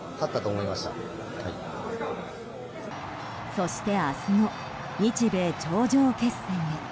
そして明日の日米頂上決戦へ。